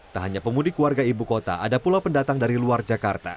tak hanya pemudik warga ibu kota ada pula pendatang dari luar jakarta